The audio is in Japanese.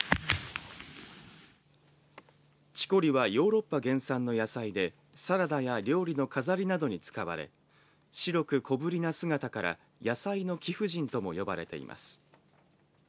チコリはヨーロッパ原産の野菜でサラダや料理の飾りなどに使われ白く小ぶりな姿から野菜の貴婦人とも呼ばれています。